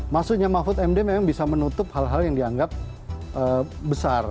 maksudnya mahfud md memang bisa menutup hal hal yang dianggap besar